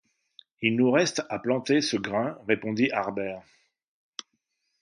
Il nous reste à planter ce grain, répondit Harbert.